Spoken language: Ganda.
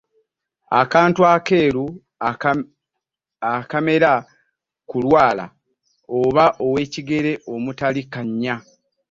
Akantu akeeru akamera ku lwala oba ow’ekigere omutali kannya.